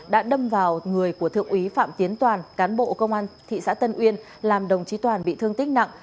đã đâm vào người của thượng úy phạm tiến toàn cán bộ công an thị xã tân uyên làm đồng chí toàn bị thương tích nặng